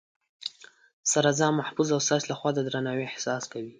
سره ځان محفوظ او ستاسې لخوا د درناوي احساس کوي